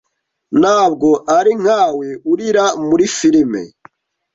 Ntabwo ari nkawe urira muri firime.